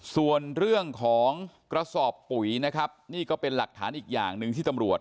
ส่วนเรื่องของกระสอบปุ๋ยนะครับนี่ก็เป็นหลักฐานอีกอย่างหนึ่งที่ตำรวจ